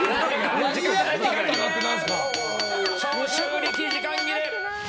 長州力、時間切れ！